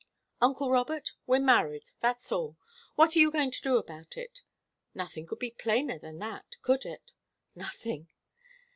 'Uncle Robert, we're married that's all. What are you going to do about it?' Nothing could be plainer than that, could it?" "Nothing!"